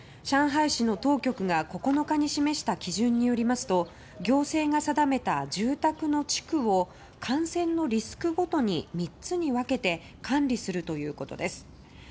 上海市の当局が９日に示した基準によりますと行政が定めた住宅の地区を感染のリスクごとに３つに分けて管理するということです。